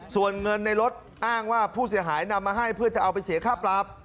ส่วนเงินในรถอ้างว่าผู้เสียหายนำมาให้เพื่อจะเอาไปเสียค่าปรับ